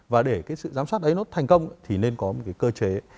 và để cái sự giám sát ấy nó thành công thì nên có một cái cơ chế